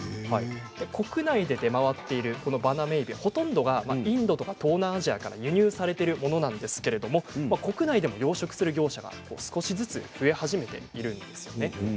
国内で出回っているバナメイエビほとんどがインドとか東南アジアから輸入されているものなんですけれど国内でも養殖する業者が少しずつ増え始めているんですね。